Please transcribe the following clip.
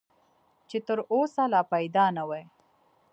چې تر اوسه لا پیدا نه وي .